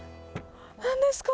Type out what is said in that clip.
何ですか？